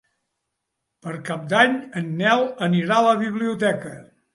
Per Cap d'Any en Nel anirà a la biblioteca.